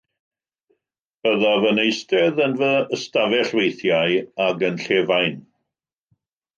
Byddaf yn eistedd yn fy ystafell weithiau ac yn llefain.